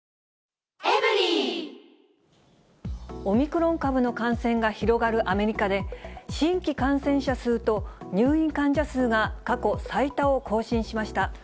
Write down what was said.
オミクロン株の感染が広がるアメリカで、新規感染者数と入院患者数が過去最多を更新しました。